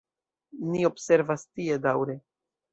Ni observas tie daŭre.